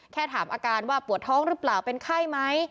ถามอาการว่าปวดท้องหรือเปล่าเป็นไข้ไหม